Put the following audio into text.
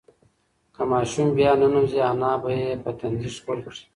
که ماشوم بیا ننوځي، انا به یې په تندي ښکل کړي.